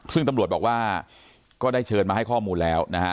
ซึ่งตำรวจบอกว่าก็ได้เชิญมาให้ข้อมูลแล้วนะฮะ